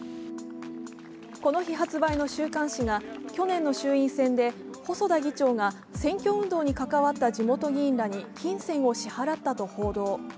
この日発売の週刊誌が去年の衆院選で細田議長が選挙運動に関わった地元議員らに金銭を支払ったと報道。